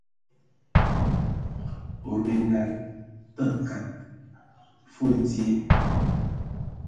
Mod minal, tə kad e foe dzie.